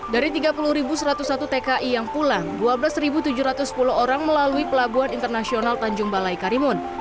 dari tiga puluh satu ratus satu tki yang pulang dua belas tujuh ratus sepuluh orang melalui pelabuhan internasional tanjung balai karimun